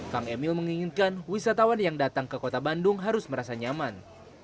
kang emil menginginkan wisatawan yang datang ke kota bandung harus merasa nyaman